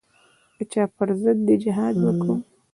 د چا پر ضد دې جهاد وکي.